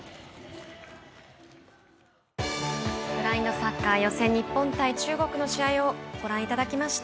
ブラインドサッカー予選、日本対中国の試合をご覧いただきました。